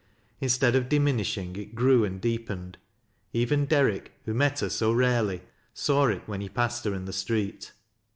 Instead of diminishing, it grew and deepened. Even Derrick, who met her bo rarely, saw it when he passed her in the street.